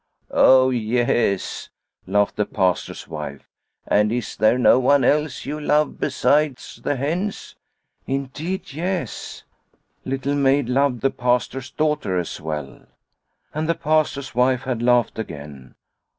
" Oh, yes," laughed the Pastor's wife ;" and is there no one else you love besides the hens ?" Indeed, yes ; Little Maid loved the Pastor's daughter as well. And the Pastor's wife had laughed again.